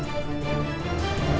jangan pak landung